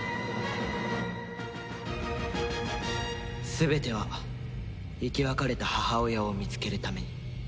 全ては生き別れた母親を見つけるために。